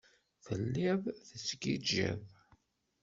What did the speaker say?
Telliḍ tettgijjiḍ.